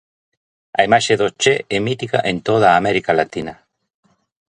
A imaxe do Che é mítica en toda a América Latina.